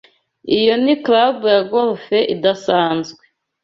Iyo ni club ya golf idasanzwe.